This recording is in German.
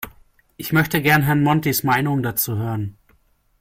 Ich möchte gerne Herrn Montis Meinung dazu hören.